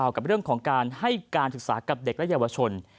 กับเรื่องของการให้การศึกษากับเด็กและเยาวชน